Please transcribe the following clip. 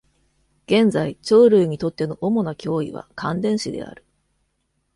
現在、鳥類にとっての主な脅威は感電死である。